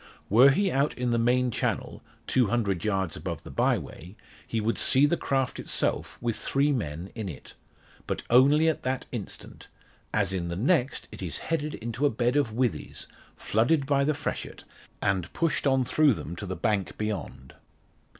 Were he out in the main channel two hundred yards above the bye way he would see the craft itself with three men in it. But only at that instant; as in the next it is headed into a bed of "witheys" flooded by the freshet and pushed on through them to the bank beyond.